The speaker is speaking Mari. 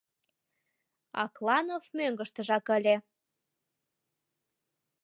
Акланов мӧҥгыштыжак ыле.